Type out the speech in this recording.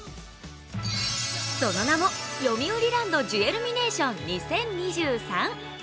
その名もよみうりランドジュエルミネーション２０２３。